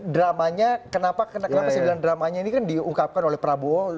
dramanya kenapa saya bilang dramanya ini kan diungkapkan oleh prabowo